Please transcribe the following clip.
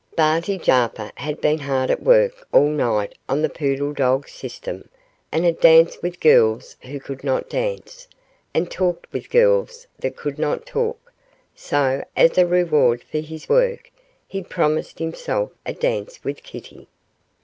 Barty Jarper had been hard at work all night on the poodle dog system, and had danced with girls who could not dance, and talked with girls that could not talk, so, as a reward for his work, he promised himself a dance with Kitty.